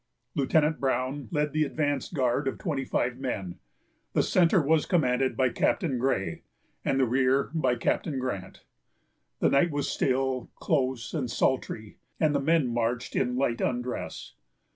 Lieutenant Brown led the advance guard of twenty five men; the centre was commanded by Captain Gray, and the rear by Captain Grant. The night was still, close, and sultry, and the men marched in light undress.